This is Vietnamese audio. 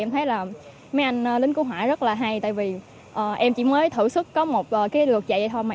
em thấy là mấy anh lính cứu hỏa rất là hay tại vì em chỉ mới thử sức có một cái lượt chạy thôi mà